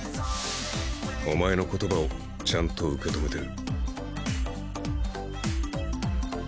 おまえの言葉をちゃんと受け止めてる。